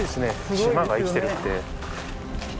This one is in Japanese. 島が生きてるって。